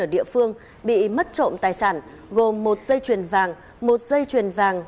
ở địa phương bị mất trộm tài sản gồm một dây chuyền vàng một dây chuyền vàng